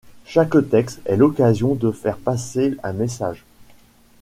Chaque texte est l'occasion de faire passer un message.